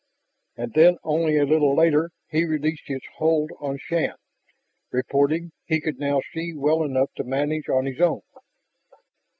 And then only a little later he released his hold on Shann, reporting he could now see well enough to manage on his own.